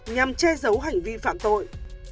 nhằm che giấu hành vi phạm tội